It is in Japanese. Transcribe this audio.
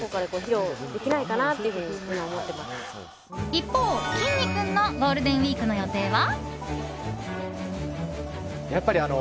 一方、きんに君のゴールデンウィークの予定は。